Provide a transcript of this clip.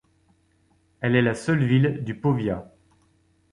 Elle est la seule ville du powiat.